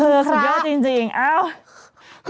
สุดเยอะจริง